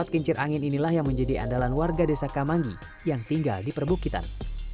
empat kincir angin inilah yang menjadi andalan warga desa kamangi yang tinggal di perbukitan